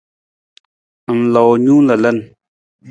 Ng loo nung lalan.